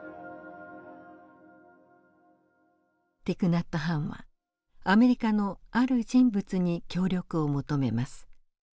ティク・ナット・ハンはアメリカのある人物に協力を求めます。